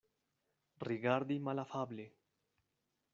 Rigardi malafable.